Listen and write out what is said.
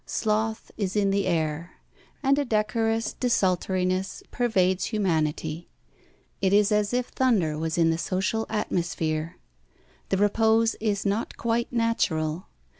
Sloth is in the air, and a decorous desultoriness pervades humanity. It is as if thunder was in the social atmosphere. The repose is not quite natural.